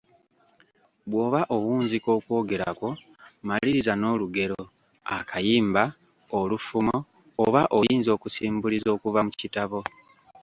Bw’oba owunzika okwogera kwo, maliriza n’olugero, akayimba, olufumo, oba oyinza okusimbuliza okuva mu kitabo.